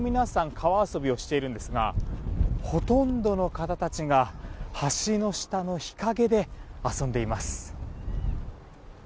川遊びをしているんですがほとんどの方たちが橋の下の日陰で遊んでいます。